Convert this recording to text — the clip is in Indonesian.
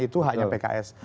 itu haknya pks